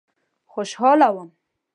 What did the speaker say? خوشاله وم.